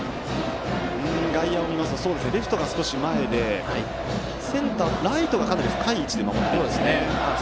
外野を見ますとレフトが少し前でセンター、ライトがかなり深い位置で守ってますね。